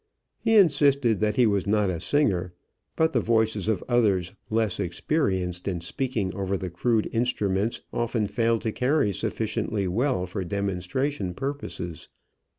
He insisted that he was not a singer, but the voices of others less experienced in speaking over the crude instruments often failed to carry sufficiently well for demonstration purposes.